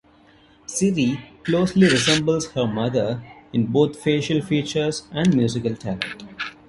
Siri closely resembles her mother in both facial features and musical talent.